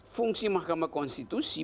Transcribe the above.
fungsi mahkamah konstitusi